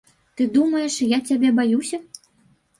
Ты думаеш, я цябе баюся?